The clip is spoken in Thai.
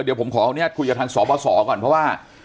เดี๋ยวผมขอคุยกับทางสอบส่อก่อนเพราะว่า